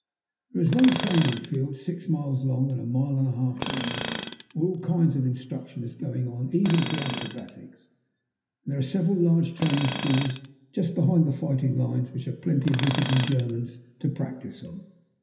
There is one training field six miles long and a mile and a half wide, where all kinds of instruction is going on, even to acrobatics. And there are several large training schools just behind the fighting lines, which have plenty of visiting Germans to practise on.